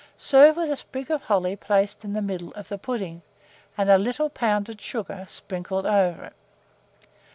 Serve with a sprig of holly placed in the middle of the pudding, and a little pounded sugar sprinkled over it.